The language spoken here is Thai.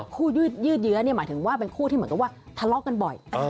ยืดเยื้อหมายถึงว่าเป็นคู่ที่เหมือนกับว่าทะเลาะกันบ่อย